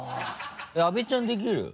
阿部ちゃんできる？